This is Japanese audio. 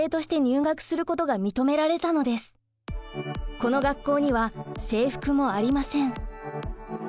この学校には制服もありません。